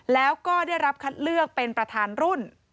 แล้วก็ได้รับคัดเลือกเป็นประธานรุ่น